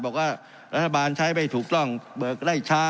บอกว่ารัฐบาลใช้ไม่ถูกต้องเบิกได้ช้า